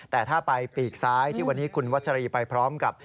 แต่ถ้าไปปีกซ้ายที่วันนี้คุณวัชรีไปพร้อมกับ